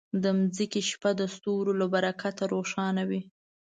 د ځمکې شپه د ستورو له برکته روښانه وي.